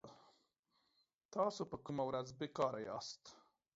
تاسو په کومه ورځ بي کاره ياست